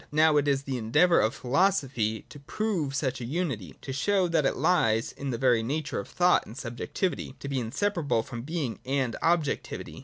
Now it is the endeavour of philosophy to prove such a unity, to show that it lies in 6^.] JACOB I AND DESCARTES. 127 the very nature of thought and subjectivity, to be in separable from being and objectivity.